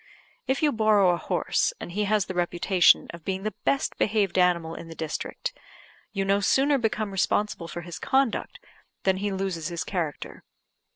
If you borrow a horse, and he has the reputation of being the best behaved animal in the district, you no sooner become responsible for his conduct than he loses his character.